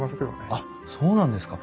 あっそうなんですか。